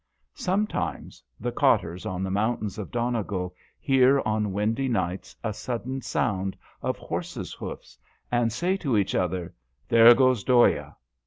Sometimes the cotters on the mountains of Donegal hear on windy nights a sudden sound of horses' hoofs, and say to each other, " There goes" Dhoya."